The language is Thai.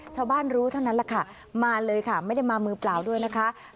ชาวบ้านรู้เท่านั้นแหละค่ะมาเลยค่ะไม่ได้มามือเปล่าด้วยนะคะ